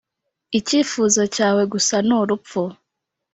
icyifuzo cyawe gusa ni urupfu